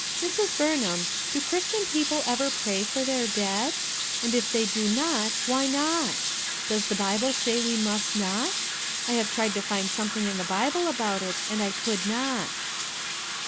Mrs. Bitrnham, do Christian people ever pray for Ibrir dead ? And if they do not, why Il0t . Does the Bible say we must not ? I have tried to find something in the Bible about it, and I could not."